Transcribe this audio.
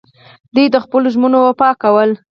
دوی د خپلو ژمنو وفا کوله